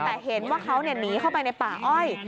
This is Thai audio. แต่เห็นว่าเขาหนีเข้าไปในป่าอ้อย